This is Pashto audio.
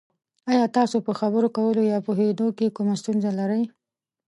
ایا تاسو په خبرو کولو یا پوهیدو کې کومه ستونزه لرئ؟